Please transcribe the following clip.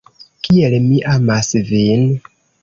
Kiel mi amas vin!